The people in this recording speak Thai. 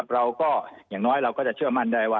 เราก็อย่างน้อยเราก็จะเชื่อมั่นได้ว่า